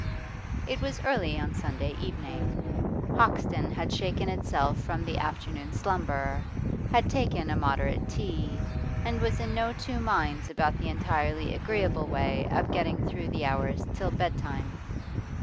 It was early on Sunday evening; Hoxton had shaken itself from the afternoon slumber, had taken a moderate tea, and was in no two minds about the entirely agreeable way of getting through the hours till bedtime.